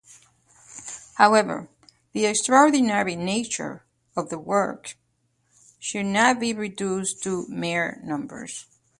However, the extraordinary nature of the work should not be reduced to mere numbers.